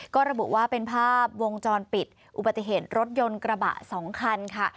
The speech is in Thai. ก็ระบุว่าเป็นภาพวงจรปิดอุบัติเหตุรถยนต์กระบะ๒คันค่ะ